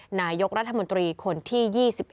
นายกรัฐมนตรีคนที่๒๑